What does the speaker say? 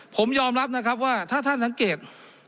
ผมยอมรับนะครับว่าถ้าท่านสังเกต